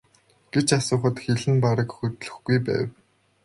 гэж асуухад хэл нь бараг хөдлөхгүй байв.